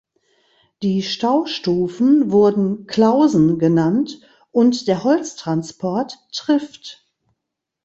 Die Staustufen wurden "Klausen" genannt und der Holztransport "Trift".